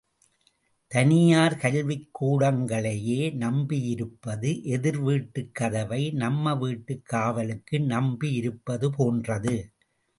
தனியார் கல்விக்கூடங்களையே நம்பியிருப்பது, எதிர் வீட்டுக் கதவை, நம் வீட்டுக் காவலுக்கு நம்பியிருப்பது போன்றது.